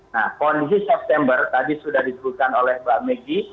nah kondisi september tadi sudah disebutkan oleh mbak meggy